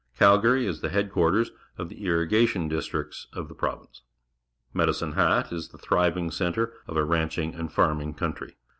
Calgary is the headquarters of the irrigation districts of the province. Medicine Hat is the thriving centre of a ranclung and farming country.